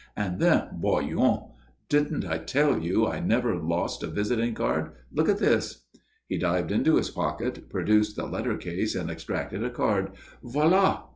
And then voyons didn't I tell you I never lost a visiting card? Look at this?" He dived into his pocket, produced the letter case, and extracted a card. "_Voilà.